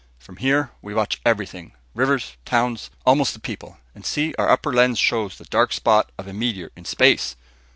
From here we watch everything; rivers, towns, almost the people. And see, our upper lens shows the dark spot of a meteor in space.